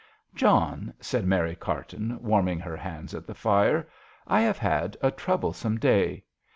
"John," said Mary Carton, warming her hands at the fire, " I have had a troublesome day.